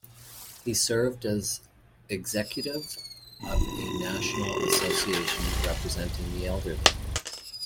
He served as executive of a national association representing the elderly.